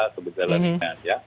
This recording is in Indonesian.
ke gejala dengan ya